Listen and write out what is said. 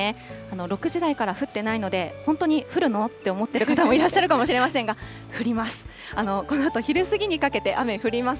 ６時台から降ってないので、本当に降るの？って思ってる方もいらっしゃるかもしれませんが、降ります。